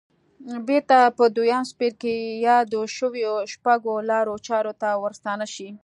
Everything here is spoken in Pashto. بېرته په دويم څپرکي کې يادو شويو شپږو لارو چارو ته ورستانه شئ.